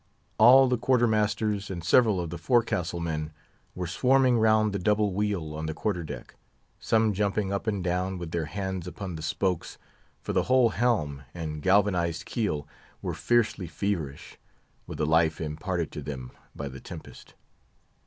All the quarter masters, and several of the forecastle men, were swarming round the double wheel on the quarter deck. Some jumping up and down, with their hands upon the spokes; for the whole helm and galvanised keel were fiercely feverish, with the life imparted to them by the tempest.